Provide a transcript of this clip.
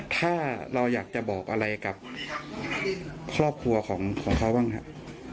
ถ้าเราอยากจะบอกอะไรกับครอบครัวของเขาบ้างครับ